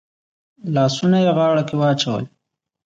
لاسونه يې غاړه کې واچول.